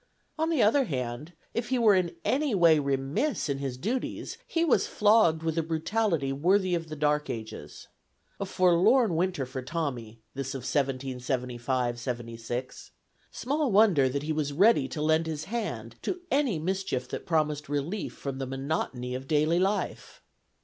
On the other hand, if he were in any way remiss in his duties, he was flogged with a brutality worthy of the Dark Ages. A forlorn winter for Tommy, this of 1775 6. Small wonder that he was ready to lend his hand to any mischief that promised relief from the monotony of daily life.